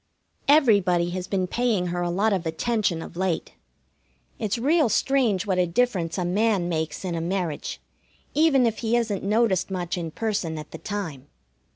Everybody has been paying her a lot of attention of late. It's real strange what a difference a man makes in a marriage, even if he isn't noticed much in person at the time.